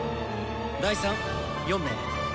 第３４名。